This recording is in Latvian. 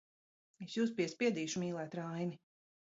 Es jūs piespiedīšu mīlēt Raini!